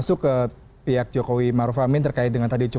saya bertanya itu